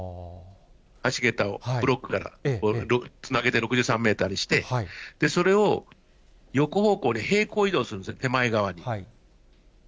橋桁を、ブロックからつなげて６３メートルにして、それを横方向に平行移動するんです、手前側に。